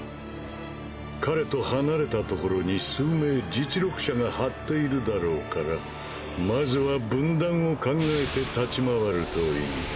彼と離れたところに数名実力者が張っているだろうからまずは分断を考えて立ち回るといい。